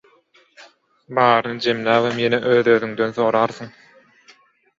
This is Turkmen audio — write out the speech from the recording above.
baryny jemläbem ýene öz-özüňden sorarsyň: